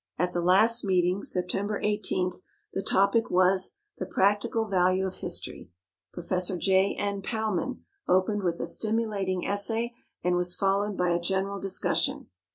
At the last meeting. September 18, the topic was "The Practical Value of History." Prof. J. N. Powman opened with a stimulating essay, and was followed by a general discussion.